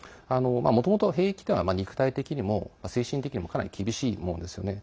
もともと、兵役というのは肉体的にも精神的にもかなり厳しいものですよね。